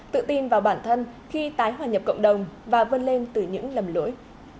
tự tin vào bản thân khi tái hoàn nhập cộng đồng và vươn lên từ những lầm lưỡi